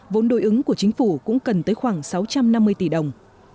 vốn đối ứng của chính phủ cũng cần tới khoảng sáu trăm năm mươi tỷ đồng